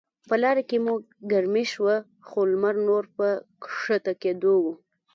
په لاره کې مو ګرمي شوه، خو لمر نور په کښته کیدو و.